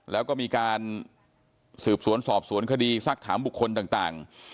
แล้วก็มีการสืบสวนสอบสวนคดีซักถามบุคคลต่าง